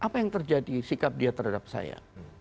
apa yang terjadi sikap dia terhadap saya